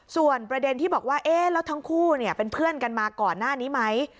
ส่วนประเด็นที่บอกว่าเอ๊ะแล้วทั้งคู่เป็นเพื่อนกันมาก่อนหน้านี้ไหม